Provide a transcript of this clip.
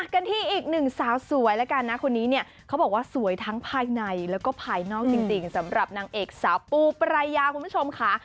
กันที่อีกหนึ่งสาวสวยแล้วกันนะคนนี้เนี่ยเขาบอกว่าสวยทั้งภายในแล้วก็ภายนอกจริงสำหรับนางเอกสาวปูปรายาคุณผู้ชมค่ะ